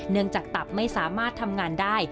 จากตับไม่สามารถทำงานได้